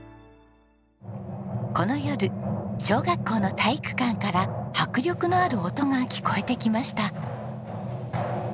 この夜小学校の体育館から迫力のある音が聞こえてきました。